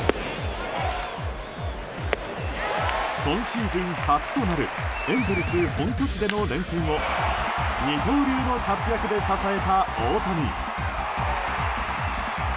今シーズン初となるエンゼルス本拠地での連戦を二刀流の活躍で支えた大谷。